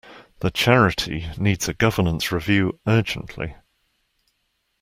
The charity needs a governance review urgently